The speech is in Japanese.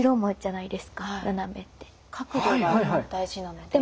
はい角度が大事なので。